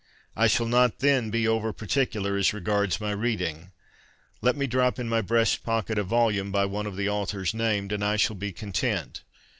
I shall not then be over particular as regards my reading. Let me drop in my breast pocket a volume by one of the authors named, and I shall be content.